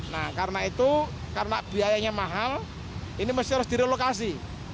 nah karena itu karena biayanya mahal ini mesti harus direlokasi